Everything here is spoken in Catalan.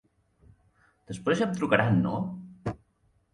Després ja em trucaran no?